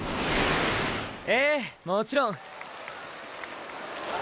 ええもちろん。